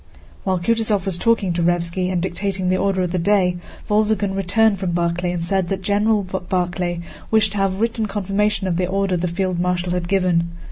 While Kutúzov was talking to Raévski and dictating the order of the day, Wolzogen returned from Barclay and said that General Barclay wished to have written confirmation of the order the field marshal had given.